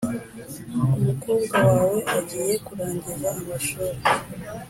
Umukobwa wawe agiye kurangiza amashuri